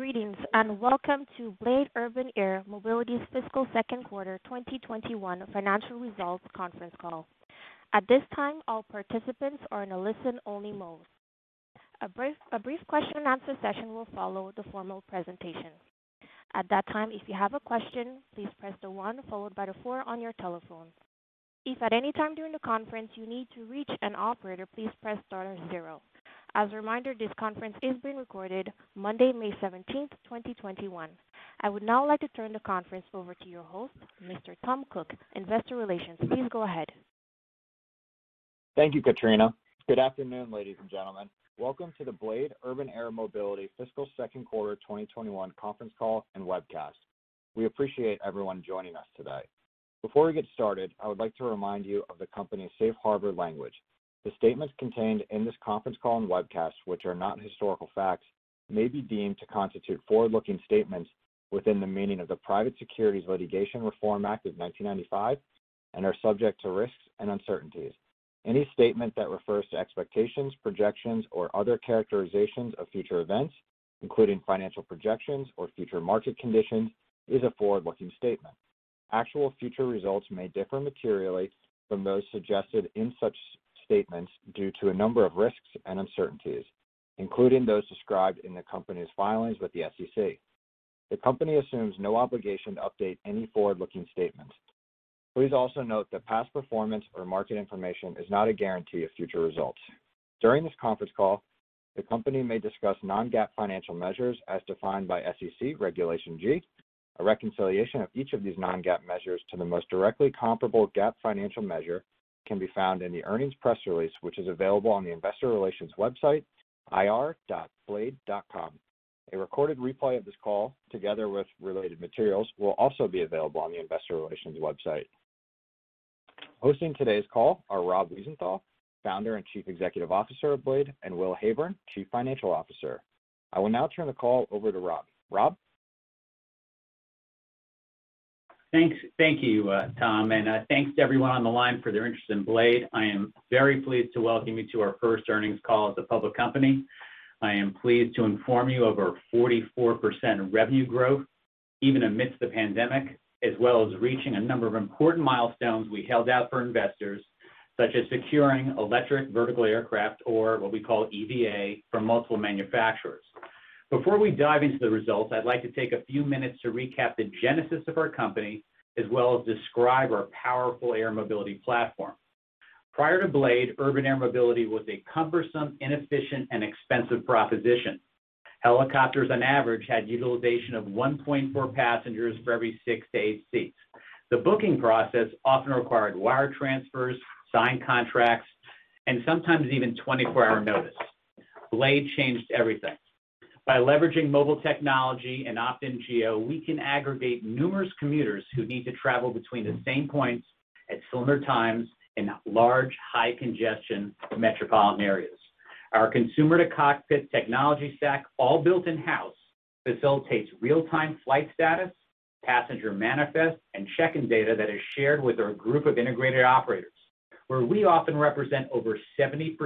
Greetings, and welcome to Blade Urban Air Mobility's fiscal second quarter 2021 financial results conference call. At this time, all participants are in a listen-only mode. A brief question and answer session will follow the formal presentation. At that time, if you have a question, please press the one followed by the four on your telephone. If at any time during the conference you need to reach an operator, please press star zero. As a reminder, this conference is being recorded Monday, May 17th, 2021. I would now like to turn the conference over to your host, Mr. Tom Cook, investor relations. Please go ahead. Thank you, Katrina. Good afternoon, ladies and gentlemen. Welcome to the Blade Urban Air Mobility fiscal second quarter 2021 conference call and webcast. We appreciate everyone joining us today. Before we get started, I would like to remind you of the company's safe harbor language. The statements contained in this conference call and webcast, which are not historical facts, may be deemed to constitute forward-looking statements within the meaning of the Private Securities Litigation Reform Act of 1995 and are subject to risks and uncertainties. Any statement that refers to expectations, projections, or other characterizations of future events, including financial projections or future market conditions, is a forward-looking statement. Actual future results may differ materially from those suggested in such statements due to a number of risks and uncertainties, including those described in the company's filings with the SEC. The company assumes no obligation to update any forward-looking statements. Please also note that past performance or market information is not a guarantee of future results. During this conference call, the company may discuss non-GAAP financial measures as defined by SEC Regulation G. A reconciliation of each of these non-GAAP measures to the most directly comparable GAAP financial measure can be found in the earnings press release, which is available on the investor relations website, ir.blade.com. A recorded replay of this call, together with related materials, will also be available on the investor relations website. Hosting today's call are Rob Wiesenthal, Founder and Chief Executive Officer of Blade, and Will Heyburn, Chief Financial Officer. I will now turn the call over to Rob. Rob? Thanks. Thank you, Tom, and thanks to everyone on the line for their interest in Blade. I am very pleased to welcome you to our first earnings call as a public company. I am pleased to inform you of our 44% revenue growth, even amidst the pandemic, as well as reaching a number of important milestones we held out for investors, such as securing electric vertical aircraft, or what we call EVA, from multiple manufacturers. Before we dive into the results, I'd like to take a few minutes to recap the genesis of our company, as well as describe our powerful air mobility platform. Prior to Blade, urban air mobility was a cumbersome, inefficient, and expensive proposition. Helicopters, on average, had utilization of 1.4 passengers for every six to eight seats. The booking process often required wire transfers, signed contracts, and sometimes even 24-hour notice. Blade changed everything. By leveraging mobile technology and opt-in geo, we can aggregate numerous commuters who need to travel between the same points at similar times in large, high congestion metropolitan areas. Our consumer-to-cockpit technology stack, all built in-house, facilitates real-time flight status, passenger manifests, and check-in data that is shared with our group of integrated operators, where we often represent over 70%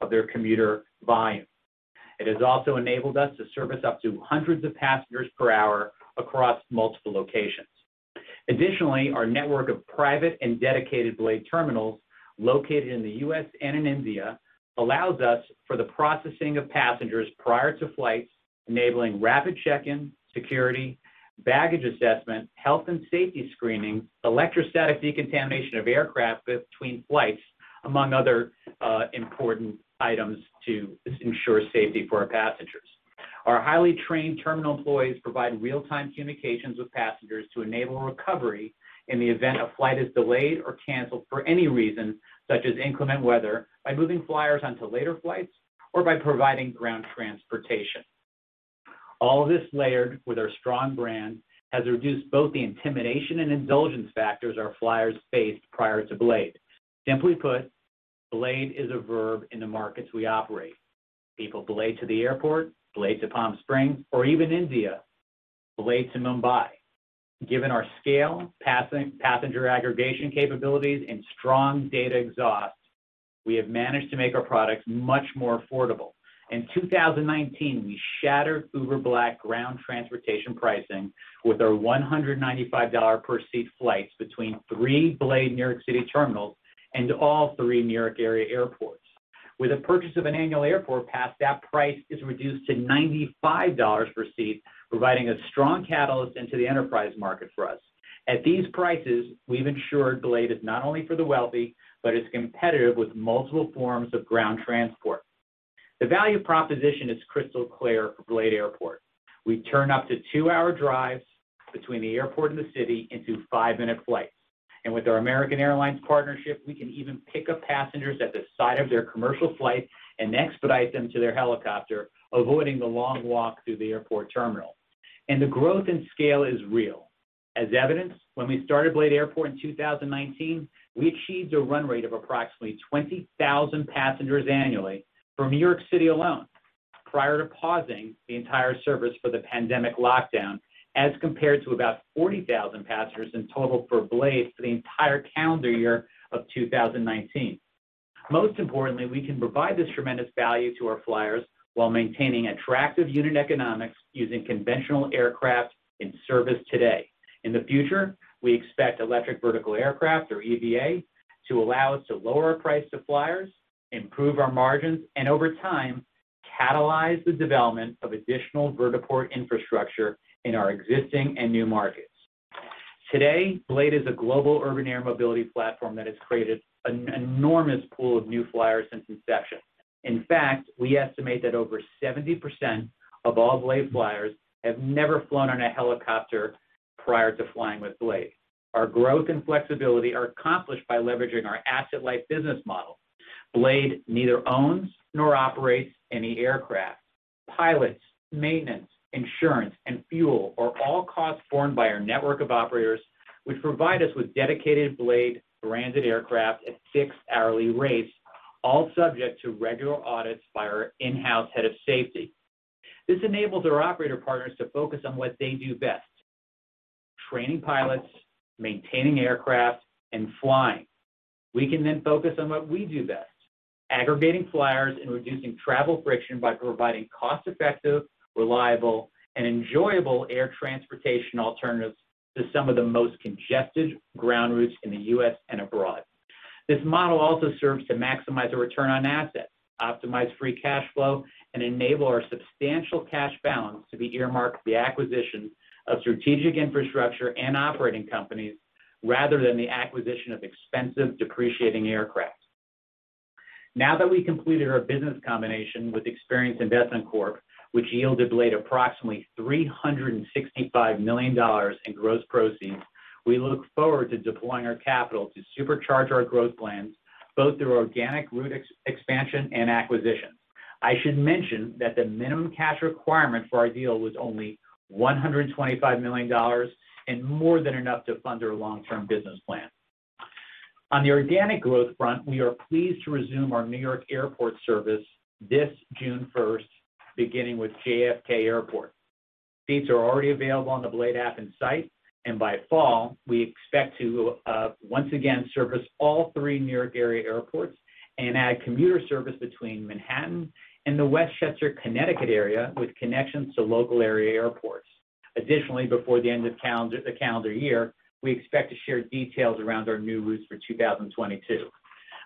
of their commuter volume. It has also enabled us to service up to hundreds of passengers per hour across multiple locations. Additionally, our network of private and dedicated Blade terminals, located in the U.S. and in India, allows us for the processing of passengers prior to flights, enabling rapid check-in, security, baggage assessment, health and safety screening, electrostatic decontamination of aircraft between flights, among other important items to ensure safety for our passengers. Our highly trained terminal employees provide real-time communications with passengers to enable recovery in the event a flight is delayed or canceled for any reason, such as inclement weather, by moving flyers onto later flights or by providing ground transportation. All this layered with our strong brand has reduced both the intimidation and indulgence factors our flyers faced prior to Blade. Simply put, Blade is a verb in the markets we operate. People Blade to the airport, Blade to Palm Springs, or even India, Blade to Mumbai. Given our scale, passenger aggregation capabilities, and strong data exhaust, we have managed to make our product much more affordable. In 2019, we shattered Uber Black ground transportation pricing with our $195 per seat flights between three Blade New York City terminals and all three New York area airports. With the purchase of an annual airport pass, that price is reduced to $95 per seat, providing a strong catalyst into the enterprise market for us. At these prices, we've ensured Blade is not only for the wealthy but is competitive with multiple forms of ground transport. The value proposition is crystal clear for BLADE airports. We turn up to two-hour drives between the airport and the city into five-minute flights. With our American Airlines partnership, we can even pick up passengers at the site of their commercial flight and expedite them to their helicopter, avoiding the long walk through the airport terminal. The growth and scale is real. As evidenced, when we started BLADE Airport in 2019, we achieved a run rate of approximately 20,000 passengers annually from New York City alone, prior to pausing the entire service for the pandemic lockdown, as compared to about 40,000 passengers in total for Blade for the entire calendar year of 2019. Most importantly, we can provide this tremendous value to our flyers while maintaining attractive unit economics using conventional aircraft in service today. In the future, we expect electric vertical aircraft, or EVA, to allow us to lower price to flyers, improve our margins, and over time, catalyze the development of additional vertiport infrastructure in our existing and new markets. Today, Blade is a global urban air mobility platform that has created an enormous pool of new flyers since inception. In fact, we estimate that over 70% of all Blade flyers have never flown on a helicopter prior to flying with Blade. Our growth and flexibility are accomplished by leveraging our asset-light business model. Blade neither owns nor operates any aircraft. Pilots, maintenance, insurance, and fuel are all costs borne by our network of operators, which provide us with dedicated Blade-branded aircraft at fixed hourly rates, all subject to regular audits by our in-house head of safety. This enables our operator partners to focus on what they do best, training pilots, maintaining aircraft, and flying. We can then focus on what we do best, aggregating flyers and reducing travel friction by providing cost-effective, reliable, and enjoyable air transportation alternatives to some of the most congested ground routes in the U.S. and abroad. This model also serves to maximize the return on assets, optimize free cash flow, and enable our substantial cash balance to be earmarked for the acquisition of strategic infrastructure and operating companies, rather than the acquisition of expensive depreciating aircraft. Now that we completed our business combination with Experience Investment Corp., which yielded Blade approximately $365 million in gross proceeds, we look forward to deploying our capital to supercharge our growth plans, both through organic route expansion and acquisitions. I should mention that the minimum cash requirement for our deal was only $125 million and more than enough to fund our long-term business plans. On the organic growth front, we are pleased to resume our New York airport service this June 1st, beginning with JFK Airport. Seats are already available on the Blade app and site. By fall, we expect to once again service all three New York area airports and add commuter service between Manhattan and the Westchester, Connecticut area, with connections to local area airports. Before the end of the calendar year, we expect to share details around our new routes for 2022.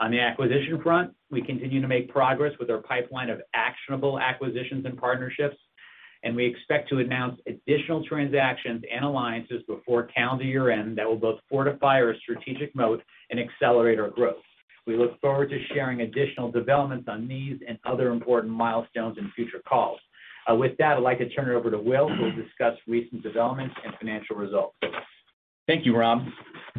On the acquisition front, we continue to make progress with our pipeline of actionable acquisitions and partnerships. We expect to announce additional transactions and alliances before calendar year-end that will both fortify our strategic moat and accelerate our growth. We look forward to sharing additional developments on these and other important milestones in future calls. With that, I'd like to turn it over to Will, who will discuss recent developments and financial results. Thank you, Rob.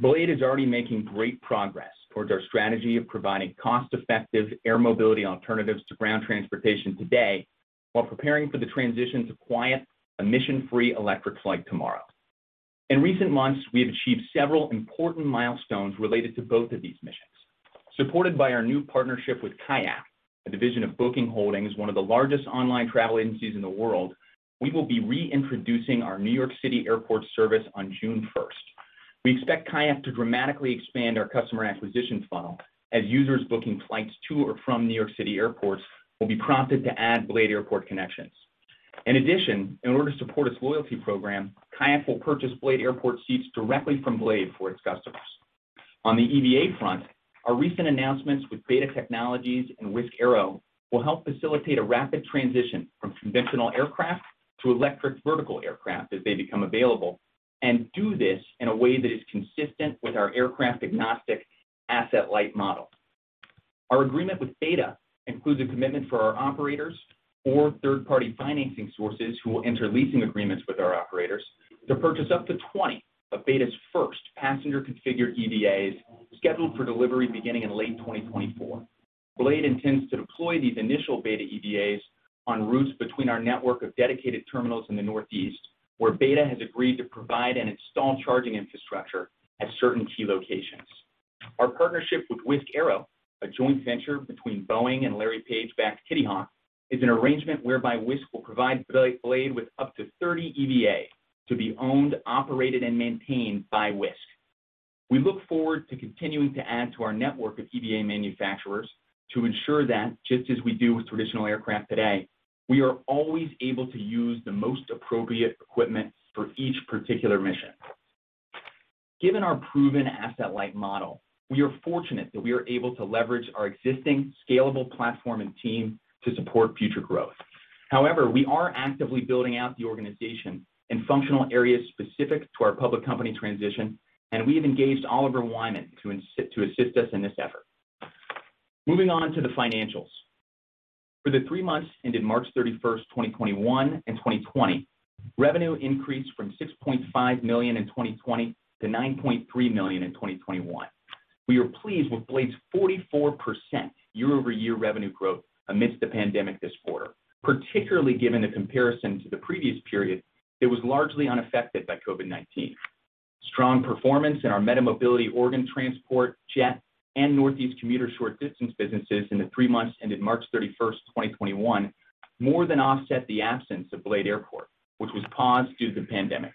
Blade is already making great progress towards our strategy of providing cost-effective air mobility alternatives to ground transportation today, while preparing for the transition to quiet, emission-free electric flight tomorrow. In recent months, we have achieved several important milestones related to both of these missions. Supported by our new partnership with Kayak, a division of Booking Holdings, one of the largest online travel agencies in the world, we will be reintroducing our New York City airport service on June 1st. We expect Kayak to dramatically expand our customer acquisition funnel, as users booking flights to or from New York City airports will be prompted to add BLADE Airport connections. In addition, in order to support its loyalty program, Kayak will purchase BLADE Airport seats directly from Blade for its customers. On the EVA front, our recent announcements with BETA Technologies and Wisk Aero will help facilitate a rapid transition from conventional aircraft to electric vertical aircraft as they become available, and do this in a way that is consistent with our aircraft-agnostic, asset-light model. Our agreement with BETA includes a commitment for our operators or third-party financing sources who will enter leasing agreements with our operators to purchase up to 20 of BETA's first passenger-configured EVAs, scheduled for delivery beginning in late 2024. Blade intends to deploy these initial BETA EVAs on routes between our network of dedicated terminals in the Northeast, where BETA has agreed to provide and install charging infrastructure at certain key locations. Our partnership with Wisk Aero, a joint venture between Boeing and Larry Page-backed Kitty Hawk, is an arrangement whereby Wisk will provide Blade with up to 30 EVAs to be owned, operated, and maintained by Wisk. We look forward to continuing to add to our network of EVA manufacturers to ensure that, just as we do with traditional aircraft today, we are always able to use the most appropriate equipment for each particular mission. Given our proven asset-light model, we are fortunate that we are able to leverage our existing scalable platform and team to support future growth. We are actively building out the organization in functional areas specific to our public company transition, and we have engaged Oliver Wyman to assist us in this effort. Moving on to the financials. For the three months ended March 31st, 2021 and 2020, revenue increased from $6.5 million in 2020 to $9.3 million in 2021. We are pleased with Blade's 44% year-over-year revenue growth amidst the pandemic this quarter, particularly given the comparison to the previous period that was largely unaffected by COVID-19. Strong performance in our MediMobility organ transport, jet, and Northeast commuter short distance businesses in the three months ended March 31st, 2021, more than offset the absence of BLADE Airport, which was paused due to the pandemic.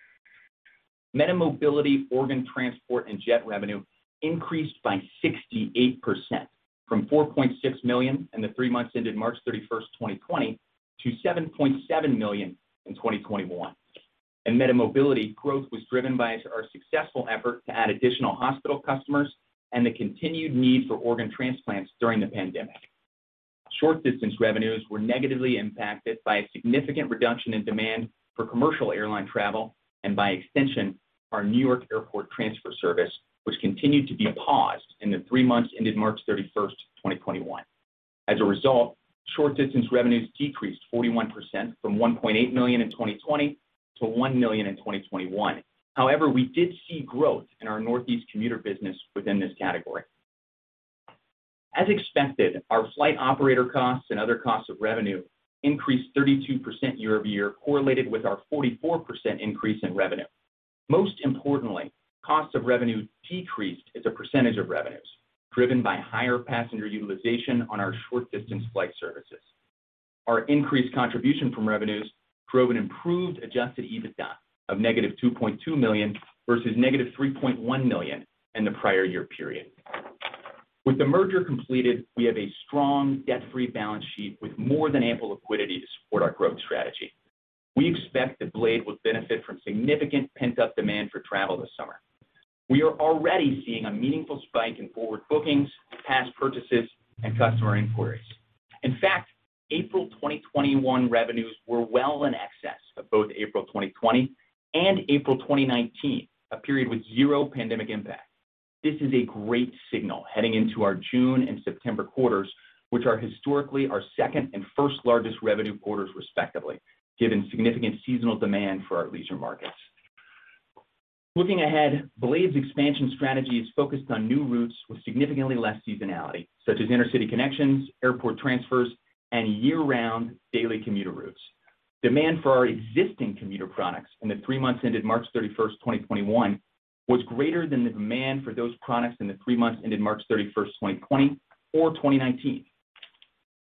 MediMobility organ transport and jet revenue increased by 68%, from $4.6 million in the three months ended March 31st, 2020 to $7.7 million in 2021. MediMobility growth was driven by our successful effort to add additional hospital customers and the continued need for organ transplants during the pandemic. Short distance revenues were negatively impacted by a significant reduction in demand for commercial airline travel and, by extension, our New York Airport transfer service, which continued to be paused in the three months ended March 31st, 2021. As a result, short distance revenues decreased 41% from $1.8 million in 2020 to $1 million in 2021. However, we did see growth in our Northeast commuter business within this category. As expected, our flight operator costs and other costs of revenue increased 32% year-over-year correlated with our 44% increase in revenue. Most importantly, cost of revenue decreased as a percentage of revenues, driven by higher passenger utilization on our short distance flight services. Our increased contribution from revenues drove an improved adjusted EBITDA of -$2.2 million versus -$3.1 million in the prior year period. With the merger completed, we have a strong debt-free balance sheet with more than ample liquidity to support our growth strategy. We expect that Blade will benefit from significant pent-up demand for travel this summer. We are already seeing a meaningful spike in forward bookings, past purchases, and customer inquiries. In fact, April 2021 revenues were well in excess of both April 2020 and April 2019, a period with zero pandemic impact. This is a great signal heading into our June and September quarters, which are historically our second and first largest revenue quarters respectively, given significant seasonal demand for our leisure markets. Looking ahead, Blade's expansion strategy is focused on new routes with significantly less seasonality, such as intercity connections, airport transfers, and year-round daily commuter routes. Demand for our existing commuter products in the three months ended March 31st, 2021, was greater than the demand for those products in the three months ended March 31st, 2020 or 2019.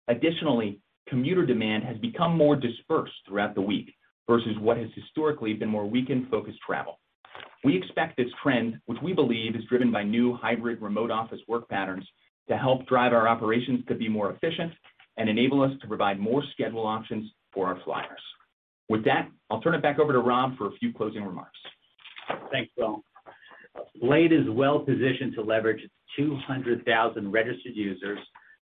Additionally, commuter demand has become more dispersed throughout the week versus what has historically been more weekend-focused travel. We expect this trend, which we believe is driven by new hybrid remote office work patterns, to help drive our operations to be more efficient and enable us to provide more schedule options for our flyers. With that, I'll turn it back over to Rob for a few closing remarks. Thanks, Will. Blade is well positioned to leverage its 200,000 registered users,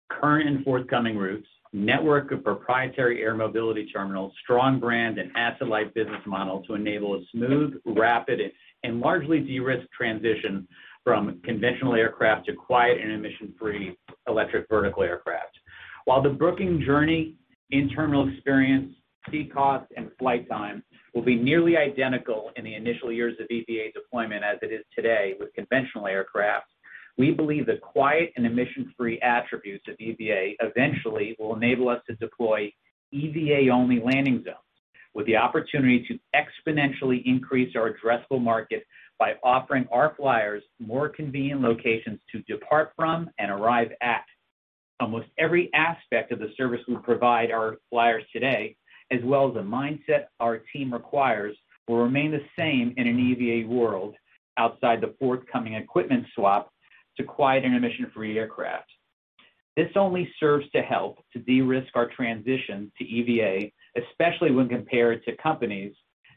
current and forthcoming routes, network of proprietary air mobility terminals, strong brand, and asset-light business model to enable a smooth, rapid, and largely de-risked transition from conventional aircraft to quiet and emission-free electric vertical aircraft. While the booking journey, internal experience, seat cost, and flight times will be nearly identical in the initial years of EVA deployment as it is today with conventional aircraft, we believe the quiet and emission-free attributes of EVA eventually will enable us to deploy EVA-only landing zones with the opportunity to exponentially increase our addressable market by offering our flyers more convenient locations to depart from and arrive at. Almost every aspect of the service we provide our flyers today, as well as the mindset our team requires, will remain the same in an EVA world outside the forthcoming equipment swap to quiet and emission-free aircraft. This only serves to help to de-risk our transition to EVA, especially when compared to companies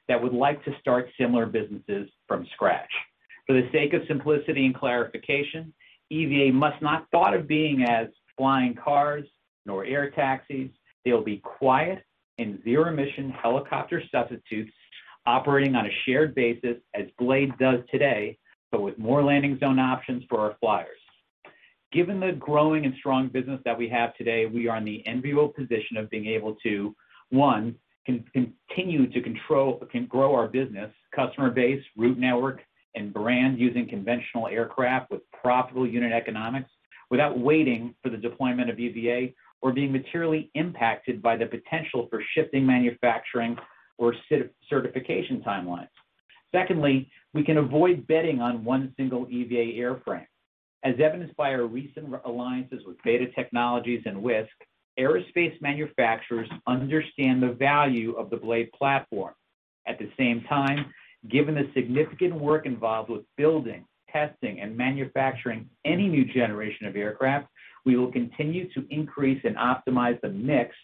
that would like to start similar businesses from scratch. For the sake of simplicity and clarification, EVA must not be thought of as flying cars nor air taxis. They'll be quiet and zero-emission helicopter substitutes operating on a shared basis as Blade does today, but with more landing zone options for our flyers. Given the growing and strong business that we have today, we are in the enviable position of being able to, one, continue to grow our business, customer base, route network, and brand using conventional aircraft with profitable unit economics without waiting for the deployment of EVA or being materially impacted by the potential for shifting manufacturing or certification timelines. Secondly, we can avoid betting on one single EVA airframe. As evidenced by our recent alliances with BETA Technologies and Wisk, aerospace manufacturers understand the value of the Blade platform. At the same time, given the significant work involved with building, testing, and manufacturing any new generation of aircraft, we will continue to increase and optimize the mix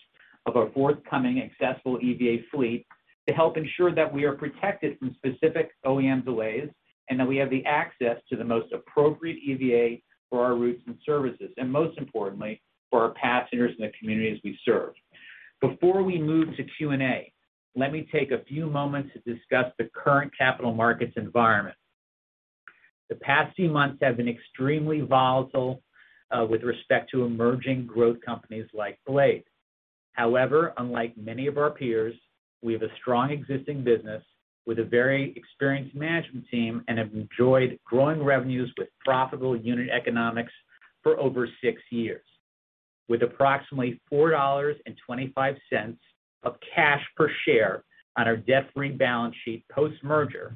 of our forthcoming accessible EVA fleet to help ensure that we are protected from specific OEMs delays, and that we have the access to the most appropriate EVA for our routes and services, and most importantly, for our passengers and the communities we serve. Before we move to Q&A, let me take a few moments to discuss the current capital markets environment. The past few months have been extremely volatile with respect to emerging growth companies like Blade. Unlike many of our peers, we have a strong existing business with a very experienced management team and have enjoyed growing revenues with profitable unit economics for over six years. With approximately $4.25 of cash per share on our debt-free balance sheet post-merger,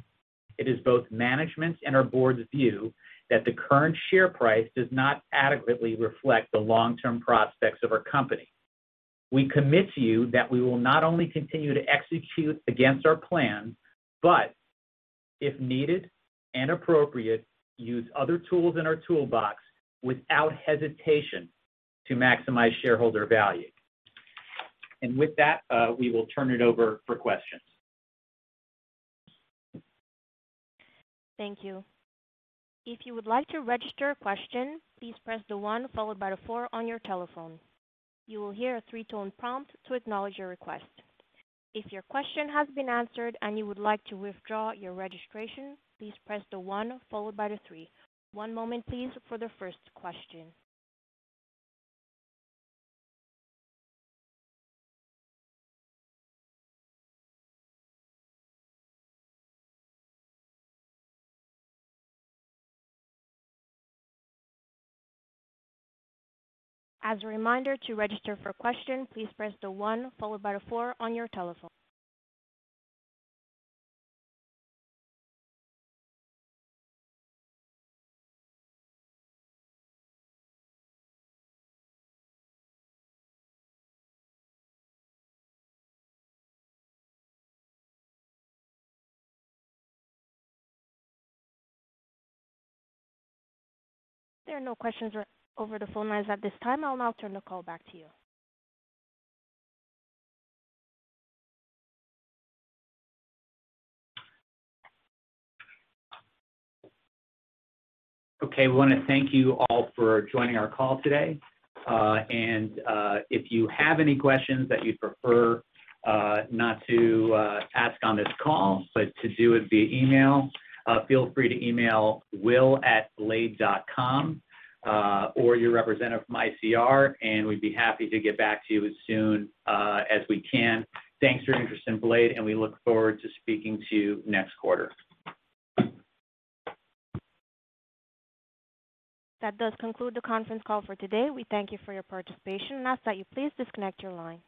it is both management's and our board's view that the current share price does not adequately reflect the long-term prospects of our company. We commit to you that we will not only continue to execute against our plan, but if needed and appropriate, use other tools in our toolbox without hesitation to maximize shareholder value. With that, we will turn it over for questions. Thank you. If you would like to register a question, please press the one followed by the four on your telephone. You will hear a three-tone prompt to acknowledge your request. If your question has been answered and you would like to withdraw your registration, please press the one followed by the three. One moment please for the first question. As a reminder, to register for questions, please press the one followed by the four on your telephone. There are no questions over the phone lines at this time. I'll now turn the call back to you. Okay. I want to thank you all for joining our call today. If you have any questions that you prefer not to ask on this call, but to do it via email, feel free to email will@blade.com, or your representative from ICR, we'd be happy to get back to you as soon as we can. Thanks for your interest in Blade. We look forward to speaking to you next quarter. That does conclude the conference call for today. We thank you for your participation, and ask that you please disconnect your line.